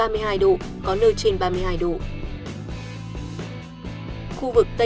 nhiệt độ cao nhất dización phía bên phachine